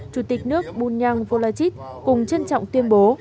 chủ tịch nước bunyang volachit cùng trân trọng tuyên bố